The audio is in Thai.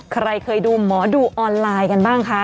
ใครเคยดูหมอดูออนไลน์กันบ้างคะ